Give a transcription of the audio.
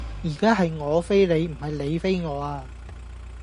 而家係我飛你,唔係你飛我呀